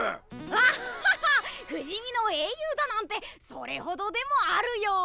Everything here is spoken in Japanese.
アッハハ不死身の英雄だなんてそれほどでもあるよ。